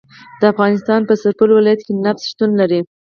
د افغانستان په سرپل ولایت کې نفت شتون لري